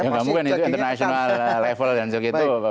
gak mungkin itu international level dan segitu